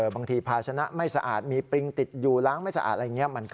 ภาชนะไม่สะอาดมีปริงติดอยู่ล้างไม่สะอาดอะไรอย่างนี้